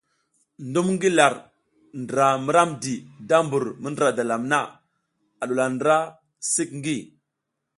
Ndum ngi lar ndra mi ramdi da mbur mi ndǝra dalam na a ɗuwula ndra sik ngi.